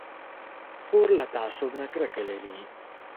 خور له تعصب نه کرکه لري.